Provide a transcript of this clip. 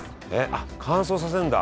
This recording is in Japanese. あっ乾燥させんだ。